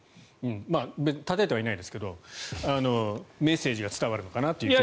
たたいてはいないですけどメッセージが伝わるのかなと。